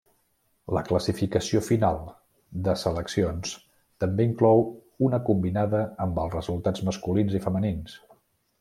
La classificació final de seleccions també inclou una combinada amb els resultats masculins i femenins.